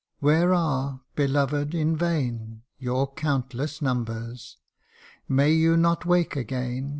Where are, beloved in vain, Your countless numbers? May you not wake again CANTO I.